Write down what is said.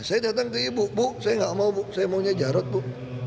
saya datang ke ibu bu saya nggak mau bu saya maunya jarod bu